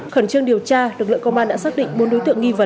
khẩn trương điều tra lực lượng công an đã xác định bốn đối tượng nghi vấn